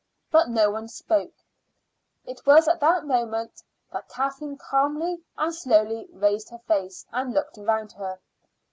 But no one spoke. It was at that moment that Kathleen calmly and slowly raised her face and looked around her.